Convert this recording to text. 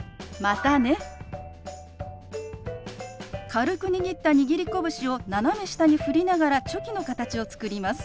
軽く握った握り拳を斜め下に振りながらチョキの形を作ります。